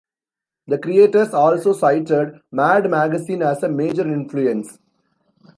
The creators also cited "Mad" magazine as a major influence.